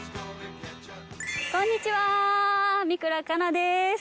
こんにちは三倉佳奈です。